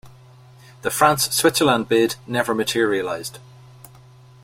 The France-Switzerland bid never materialized.